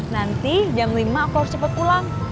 nanti jam lima aku harus cepat pulang